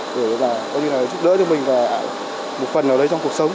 để giúp đỡ cho mình và một phần ở đây trong cuộc sống